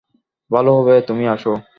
ভালো হবে তুমি আসো।